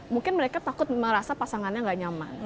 mungkin mereka takut merasa pasangannya nggak nyaman